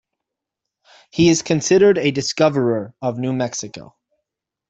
He is considered a discoverer of New Mexico.